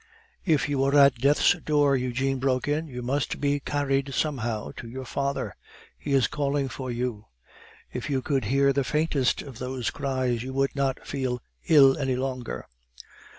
"If you were at death's door," Eugene broke in, "you must be carried somehow to your father. He is calling for you. If you could hear the faintest of those cries, you would not feel ill any longer."